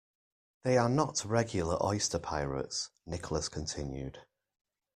They are not regular oyster pirates, Nicholas continued.